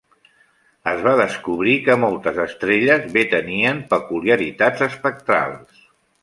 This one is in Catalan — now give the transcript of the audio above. Es va descobrir que moltes estrelles Be tenien peculiaritats espectrals.